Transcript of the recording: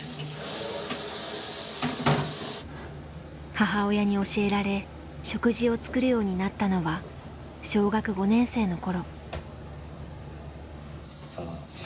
母親に教えられ食事を作るようになったのは小学５年生の頃。